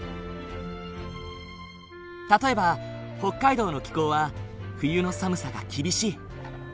例えば北海道の気候は冬の寒さが厳しい。